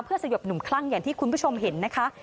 สยบหนุ่มคลั่งอย่างที่คุณผู้ชมเห็นนะคะ